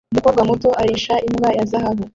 Umukobwa muto arisha imbwa ya zahabu